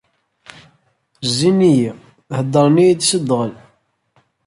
Zzin-iyi, heddren-iyi-d s ddɣel.